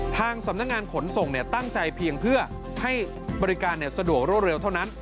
ทางสำนักงานขนส่งตั้งใจเพียงเพื่อให้บริการสะดวกรวดเร็วเท่านั้น